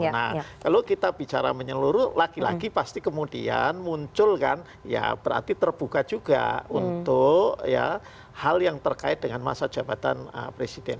nah kalau kita bicara menyeluruh lagi lagi pasti kemudian muncul kan ya berarti terbuka juga untuk ya hal yang terkait dengan masa jabatan presiden